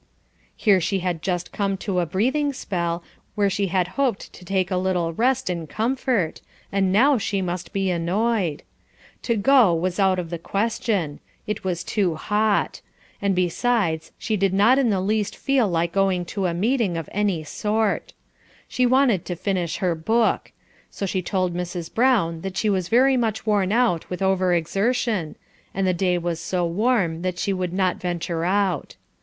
Here she had just come to a breathing spell, where she had hoped to take a little rest and comfort, and now she must be annoyed. To go, was out of the question. It was too hot; and besides, she did not in the least feel like going to a meeting of any sort. She wanted to finish her book; so she told Mrs. Brown that she was very much worn out with over exertion, and the day was so warm that she would not venture out.